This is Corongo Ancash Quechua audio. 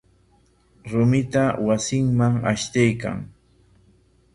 Rumita wasinman ashtaykan.